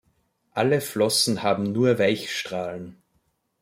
Alle Flossen haben nur Weichstrahlen.